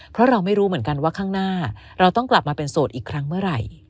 เพราะเราไม่รู้เหมือนกันว่าข้างหน้าเราต้องกลับมาเป็นโสดอีกครั้งเมื่อไหร่